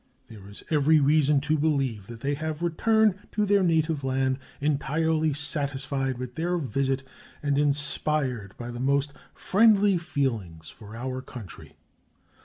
There is every reason to believe that they have returned to their native land entirely satisfied with their visit and inspired by the most friendly feelings for our country.